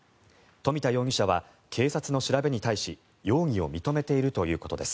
富田容疑者は警察の調べに対し容疑を認めているということです。